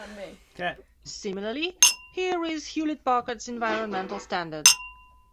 Similarly, here is Hewlett-Packard's environmental standard.